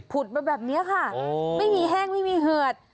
ุดมาแบบนี้ค่ะไม่มีแห้งไม่มีเหือด